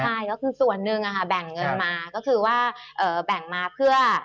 ใช่ก็คือส่วนหนึ่งแบ่งเงินมาก็คือว่าแบ่งมาเพื่อ